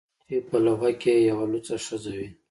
چې په لوحه کې یې یوه لوڅه ښځه وي